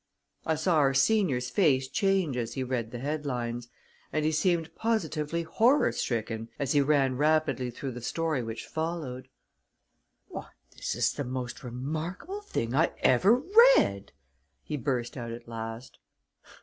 I saw our senior's face change as he read the headlines, and he seemed positively horror stricken as he ran rapidly through the story which followed. "Why, this is the most remarkable thing I ever read!" he burst out at last.